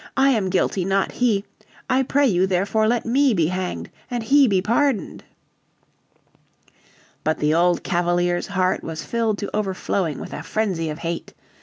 I am guilty, not he. I pray you therefore let me be hanged, and he be pardoned." But the old Cavalier's heart was filled to overflowing with a frenzy of hate.